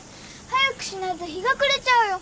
早くしないと日が暮れちゃうよ。